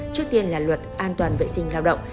trước tiên là luật an toàn vệ sinh lao động